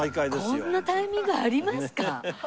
こんなタイミングありますか？